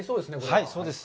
はい、そうです。